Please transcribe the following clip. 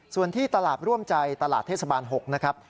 ส่วนที่ตลาดร่วมใจตลาดเทศบาล๖นะครับ